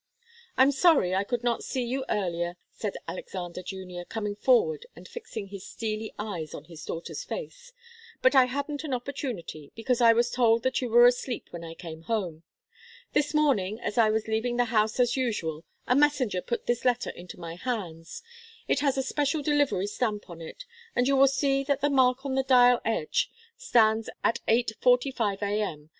"I'm sorry I could not see you earlier," said Alexander Junior, coming forward and fixing his steely eyes on his daughter's face. "But I hadn't an opportunity, because I was told that you were asleep when I came home. This morning, as I was leaving the house as usual, a messenger put this letter into my hands. It has a special delivery stamp on it, and you will see that the mark on the dial edge stands at eight forty five A.M.